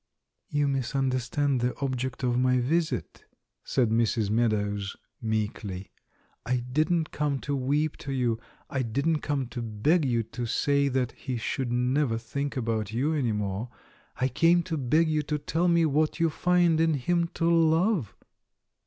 "You misunderstand the object of my visit," said Mrs. Meadows meekly. "I didn't come to weep to you ; I didn't come to beg you to say that he should never think about you any more. I came to beg you to tell me what you find in liim to love."